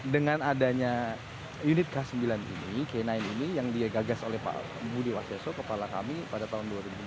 dengan adanya unit k sembilan ini k sembilan ini yang dia gagas oleh pak budi waseso kepala kami pada tahun dua ribu lima belas